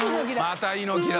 また猪木だ。